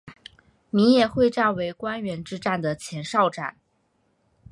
米野会战为关原之战的前哨战。